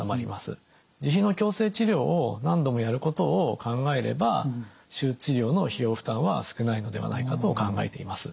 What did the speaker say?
自費の矯正治療を何度もやることを考えれば手術治療の費用負担は少ないのではないかと考えています。